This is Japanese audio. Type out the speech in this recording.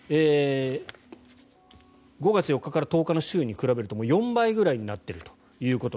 ５月４日から１０日の週に比べると４倍ぐらいになっていると。